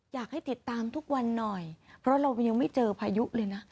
อยากให้ติดตามทุกวันหน่อยเพราะเรายังไม่เจอพายุเลยนะ